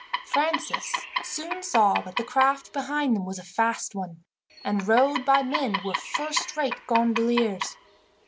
Francis soon saw that the craft behind them was a fast one, and rowed by men who were first rate gondoliers.